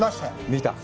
見た？